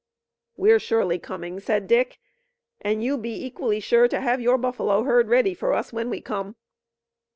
"We're surely coming," said Dick, "and you be equally sure to have your buffalo herd ready for us when we come."